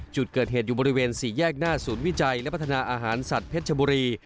จุดเกิดเหตุอยู่บริเวณสี่แยกหน้าศูนย์วิจัยและพัฒนาอาหารสัตว์เพชรชบุรี